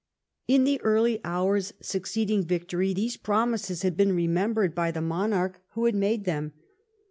In the early hours succeeding victory these promises had been remembered by the monarch who had made them.